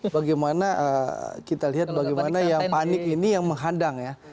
bagaimana kita lihat bagaimana yang panik ini yang menghadang ya